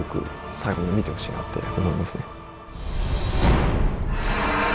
最後まで見てほしいなって思いますね。